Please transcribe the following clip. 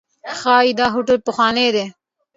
ښایي دا هوټل پخوانی دی.